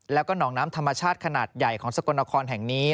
แล้วก็หนองน้ำธรรมชาติขนาดใหญ่ของสกลนครแห่งนี้